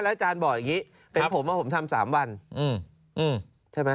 แล้วก็มีแผนที่เขตรักษาพันธุ์สัตว์ป่า